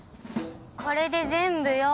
これで全部よ。